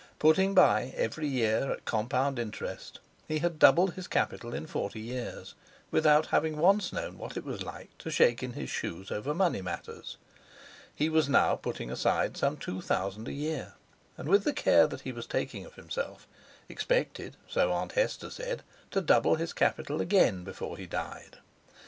Putting by every year, at compound interest, he had doubled his capital in forty years without having once known what it was like to shake in his shoes over money matters. He was now putting aside some two thousand a year, and, with the care he was taking of himself, expected, so Aunt Hester said, to double his capital again before he died.